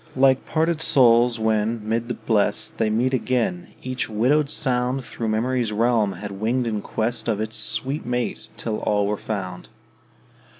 Like parted souls, when, mid the Blest They meet again, each widowed sound Thro' memory's realm had winged in quest Of its sweet mate, till all were found.